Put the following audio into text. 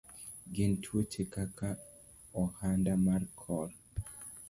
Gin tuoche kaka ahonda mar kor.